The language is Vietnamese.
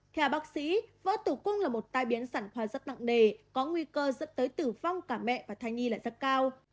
kẻ bác sĩ vỡ tủ cung là một tai biến sản khoa rất nặng nề có nguy cơ dẫn tới tử vong cả mẹ và thầy nhi lại rất cao